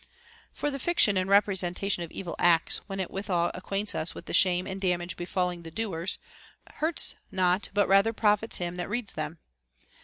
* For the fiction and representation of evil acts, when it withal acquaints us with the shame and damage befalling the doers, hurts not but rather profits him that reads them.